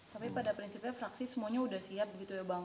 tapi pada prinsipnya fraksi semuanya sudah siap gitu ya bang